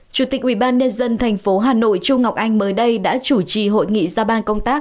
chủ tịch ubnd tp hà nội chu ngọc anh mới đây đã chủ trì hội nghị ra ban công tác